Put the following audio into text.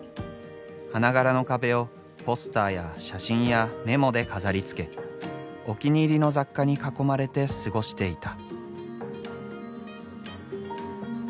花柄の壁をポスターや写真やメモで飾りつけお気に入りの雑貨に囲まれて過ごしていた。